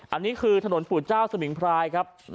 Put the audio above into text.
อันนี้คือถนนปู่เจ้าสมิงพรายครับ